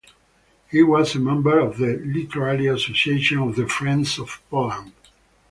He was a member of the Literary Association of the Friends of Poland.